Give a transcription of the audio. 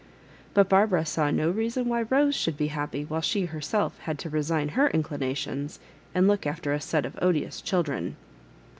But Barbara saw no reason why Rose should be happy, while she herself had to resign her indinations and look after a set of odious cdiUdren.